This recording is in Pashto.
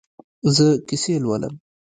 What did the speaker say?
زه کیسې لولم